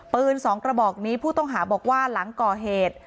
ปืน๒กระบอกนี้ผู้ต้องหาบอกว่าหลังก่อเหตุ